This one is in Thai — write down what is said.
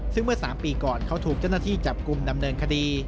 ซึ่งเมื่อ๓ปีก่อนเขาถูกเจ้าหน้าที่จับกลุ่มดำเนินคดี